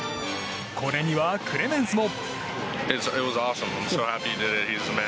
これにはクレメンスも。